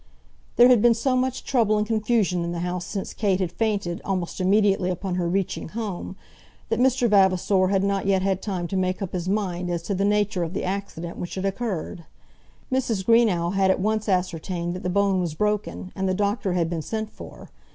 There had been so much trouble and confusion in the house since Kate had fainted, almost immediately upon her reaching home, that Mr. Vavasor had not yet had time to make up his mind as to the nature of the accident which had occurred. Mrs. Greenow had at once ascertained that the bone was broken, and the doctor had been sent for.